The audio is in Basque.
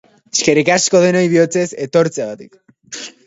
Eskerrik asko denoi bihotzez etortzeagatik!